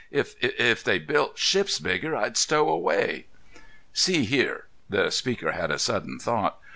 If—if they built ships bigger, I'd stowaway." "See here—" The speaker had a sudden thought.